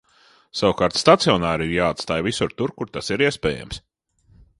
Savukārt stacionāri ir jāatstāj visur tur, kur tas ir iespējams.